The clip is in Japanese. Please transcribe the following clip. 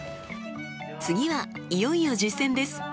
次はいよいよ実践です。